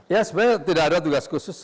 ya sebenarnya tidak ada tugas khusus